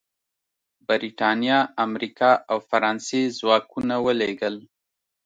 برېټانیا، امریکا او فرانسې ځواکونه ولېږل.